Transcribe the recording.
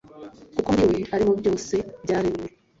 kuko muri we ari mo byose byaremewe